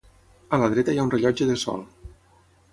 A la dreta hi ha un rellotge de sol.